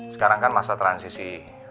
sekarang kan masa transisi